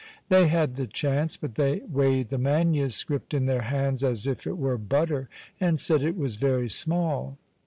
They had the chance, but they weighed the manuscript in their hands as if it were butter, and said it was very small.